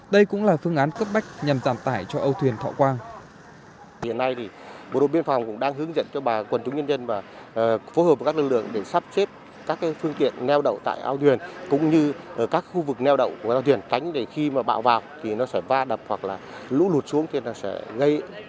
đây cũng là phương án cấp bách nhằm giảm tải cho âu thuyền thọ quang